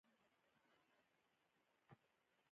بادام د افغانستان د طبیعت د ښکلا یوه برخه ده.